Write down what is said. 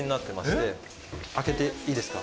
開けていいですか？